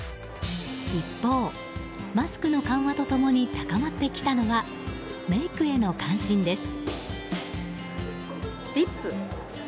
一方、マスクの緩和と共に高まってきたのはメイクへの関心です。